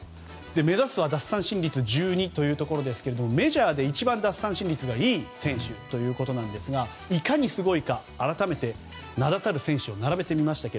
目指すは奪三振率１２ですがメジャーで一番、奪三振率がいい選手ということですがいかにすごいか、改めて名だたる選手を並べてみました。